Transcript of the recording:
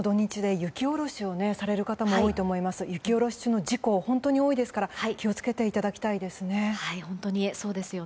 雪下ろし中の事故は多いので本当に気を付けていただきたいですね。